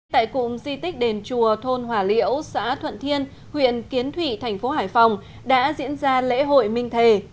tại cụm di tích đền chùa thôn hòa liễu xã thuận thiên huyện kiến thụy thành phố hải phòng đã diễn ra lễ hội minh thề